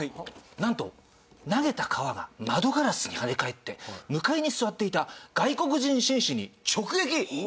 なんと投げた皮が窓ガラスに跳ね返って向かいに座っていた外国人紳士に直撃！